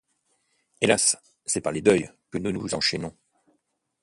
Hélas! c’est par les deuils que nous nous enchaînons.